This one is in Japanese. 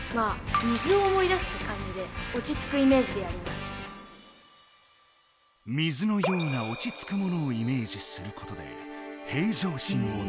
すごい！水のような落ち着くモノをイメージすることで平常心をたもつ。